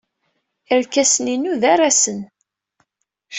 Irkasen-inu d arasen.